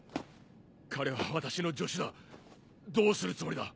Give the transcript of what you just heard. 彼は私の助手だどうするつもりだ。